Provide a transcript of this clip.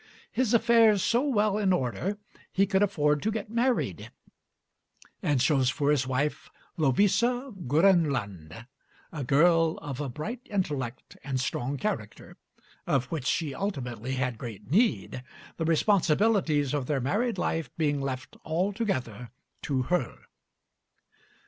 His affairs so well in order, he could afford to get married; and chose for his wife Lovisa Grönlund, a girl of a bright intellect and strong character, of which she ultimately had great need, the responsibilities of their married life being left altogether to her.